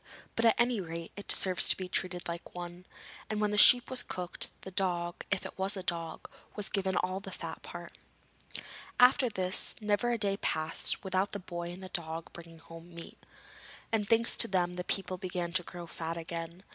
But at any rate, it deserves to be treated like one,' and when the sheep was cooked, the dog if it was a dog was given all the fat part. After this, never a day passed without the boy and the dog bringing home meat, and thanks to them the people began to grow fat again.